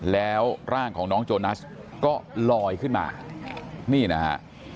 แล้วร่างของน้องโจนัสก็ลอยขึ้นมานี่นะฮะ